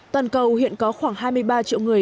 toàn cầu hiện có khoảng hai mươi ba triệu người